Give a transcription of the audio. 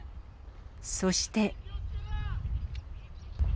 そして。